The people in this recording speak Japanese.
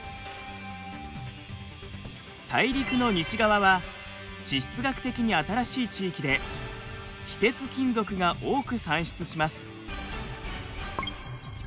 大陸の西側は地質学的に新しい地域で非鉄金属が多く産出します。